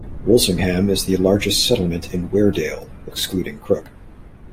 Wolsingham is the largest settlement in Weardale, excluding Crook.